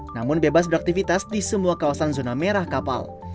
namun bebas beraktivitas di semua kawasan zona merah kapal